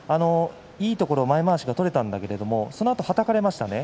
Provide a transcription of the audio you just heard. いいところ前まわしが取れたんだけれどもそのあと、はたかれましたね。